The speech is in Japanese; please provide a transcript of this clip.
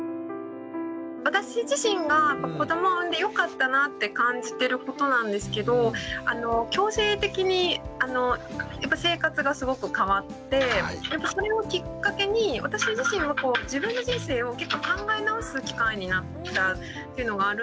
私自身が子どもを産んでよかったなって感じてることなんですけど強制的に生活がすごく変わってそれをきっかけに私自身は自分の人生を考え直す機会になったっていうのがあるんですね。